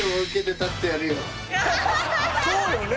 そうよね！